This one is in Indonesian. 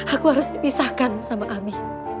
aku harus dipisahkan sama ami